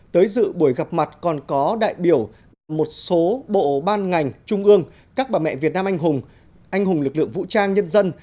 tới dự buổi gặp mặt còn có đại biểu một số bộ ban ngành trung ương các bà mẹ việt nam anh hùng anh hùng lực lượng vũ trang nhân dân